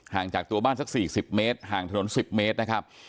ห่างจากตัวบ้านสักสี่สิบเมตรห่างถนนสิบเมตรนะครับ